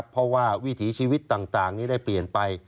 เพราะว่าวิถีชีวิตต่างนี้ได้เปลี่ยนไป